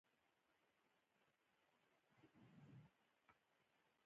ازادي راډیو د اطلاعاتی تکنالوژي په اړه د ځوانانو نظریات وړاندې کړي.